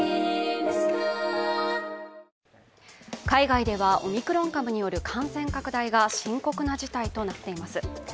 海外ではオミクロン株による感染拡大が深刻な事態となっています。